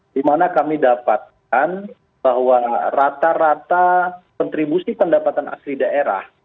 di mana kami dapatkan bahwa rata rata kontribusi pendapatan asli daerah